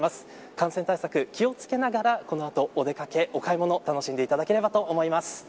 感染対策、気を付けながらこの後お出かけ、買い物を楽しんでいただければと思います。